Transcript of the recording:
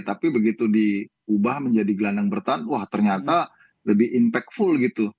tapi begitu diubah menjadi gelandang bertahan wah ternyata lebih impact full gitu